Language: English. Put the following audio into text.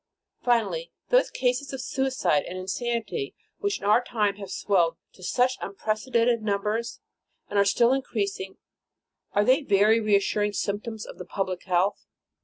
Finally, those cases of suicide and insanity, which in our time have swelled to such unprecedented numbers, and are still increas ing, are they very reassuring symptoms of the public health?